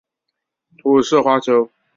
蒲氏花楸